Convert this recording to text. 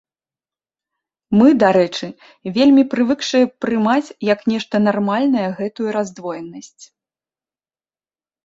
Мы, дарэчы, вельмі прывыкшыя прымаць як нешта нармальнае гэтую раздвоенасць.